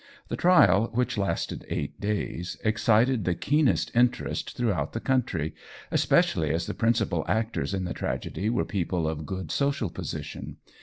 The trial, which lasted eight days, excited the keenest interest throughout the country, especially as the principal actors in the tragedy were people of good social position.